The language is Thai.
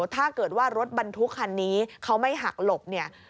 ถ้าเกิดว่ารถบรรทุกคันนี้เขาไม่หักหลบเนี่ย